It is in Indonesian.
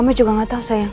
mama juga nggak tahu sayang